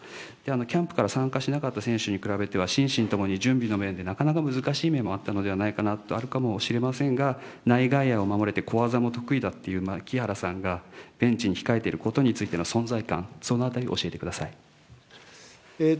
キャンプから参加しなかった選手に比べては、心身ともに準備の面でなかなか難しい面もあったのではないかなと、あるかもしれませんが、内外野を守れて小技も得意だっていう牧原さんがベンチに控えていることについての存在感、そのあたりを教えてください。